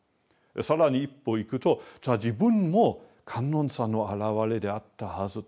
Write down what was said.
更に一歩行くとじゃあ自分も観音さんのあらわれであったはずと。